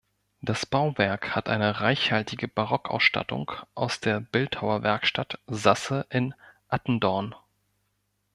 Das Bauwerk hat eine reichhaltige Barockausstattung aus der Bildhauerwerkstatt Sasse in Attendorn.